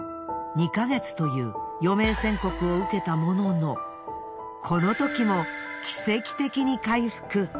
２ヵ月という余命宣告を受けたもののこのときも奇跡的に回復。